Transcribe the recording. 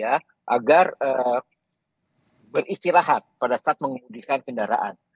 agar beristirahat pada saat mengemudikan kendaraan